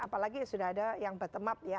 apalagi sudah ada yang bottom up ya